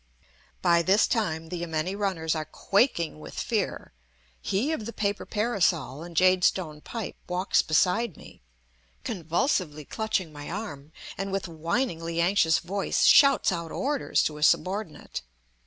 By this time the yameni runners are quaking with fear; he of the paper parasol and jade stone pipe walks beside me, convulsively clutching my arm, and with whiningly anxious voice shouts out orders to his subordinate.